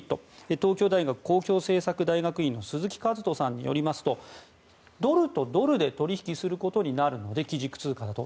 東京大学公共政策大学院の鈴木一人さんによりますとドルとドルで取引されることになるので基軸通貨だと。